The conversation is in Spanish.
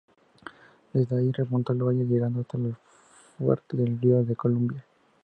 Desde ahí, remontó el valle, llegando hasta la fuente del río Columbia.